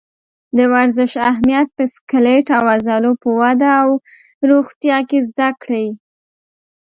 د ورزش اهمیت په سکلیټ او عضلو په وده او روغتیا کې زده کړئ.